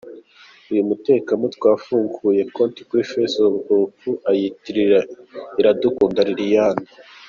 Uyu mutekamutwe yafunguye konti kuri Facebook ayitirira Iradukunda Liliane.